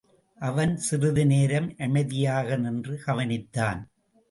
அவன் சிறிது நேரம் அமைதியாக நின்று கவனித்தான்.